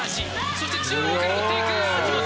そして中央から打っていく秋本！